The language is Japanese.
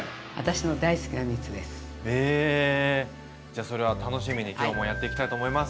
じゃあそれは楽しみに今日もやってきたいと思います。